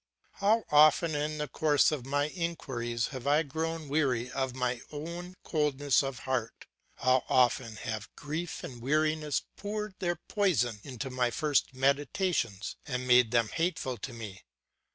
How often in the course of my inquiries have I grown weary of my own coldness of heart! How often have grief and weariness poured their poison into my first meditations and made them hateful to me!